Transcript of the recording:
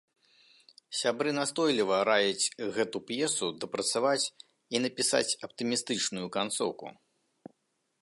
Сябры настойліва раяць гэту п'есу дапрацаваць і напісаць аптымістычную канцоўку.